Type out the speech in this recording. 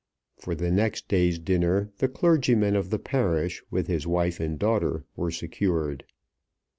For the next day's dinner the clergyman of the parish, with his wife and daughter, were secured.